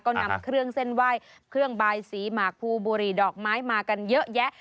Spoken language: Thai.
ก็นำเครื่องเส้นไหว้เครื่องบายสีหมากภูบุหรี่ดอกไม้มากันเยอะแยะ